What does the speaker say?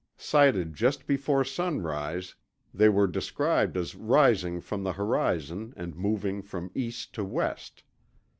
Sighted just before sunrise, they were described as rising from the horizon and moving from east to west.